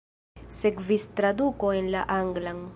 Sekvis traduko en la anglan.